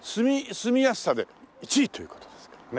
住みやすさで１位という事ですけどね。